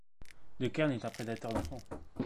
De Kern est un prédateur d’enfants.